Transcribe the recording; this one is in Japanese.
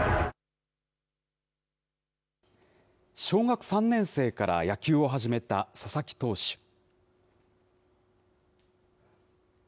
小学３年生から野球を始めた佐々木投手。